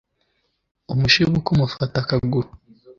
umushibuka umufata akaguru